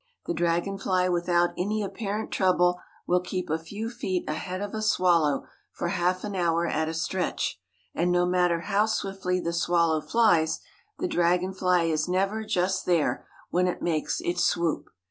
The dragonfly without any apparent trouble, will keep a few feet ahead of a swallow for half an hour at a stretch, and no matter how swiftly the swallow flies, the dragonfly is never just there when it makes its swoop.